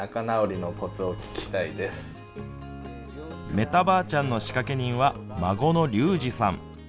メタばあちゃんの仕掛け人は孫の竜二さん。